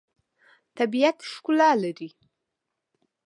طبیعت ښکلا لري.